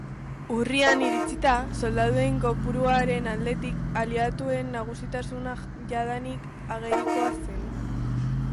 Urrian iritsita, soldaduen kopuruaren aldetik aliatuen nagusitasuna jadanik agerikoa zen.